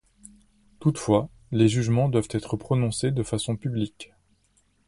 Toutefois, les jugements doivent être prononcés de façon publique.